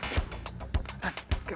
wah bo hair fandom langsung